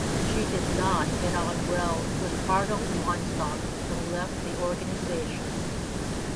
She did not get on well with Arnold Weinstock and left the organisation.